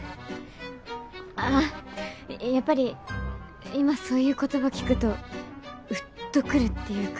あやっぱり今そういう言葉聞くとウッとくるって言うか。